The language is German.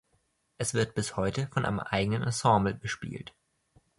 Es wird bis heute von einem eigenen Ensemble bespielt.